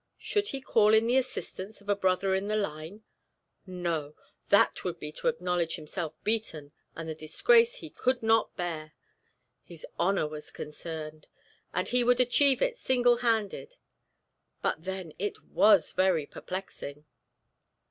Should he call in the assistance of a brother in the line? No, that would be to acknowledge himself beaten, and the disgrace he could not bear his honor was concerned, and he would achieve it single handed; but, then, it was very perplexing.